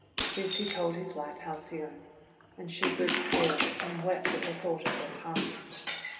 This he told his wife Halcyone; and she grew pale, and wept at the thought of their parting.